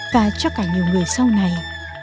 và cho cả nhiều người sau này